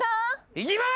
いきます！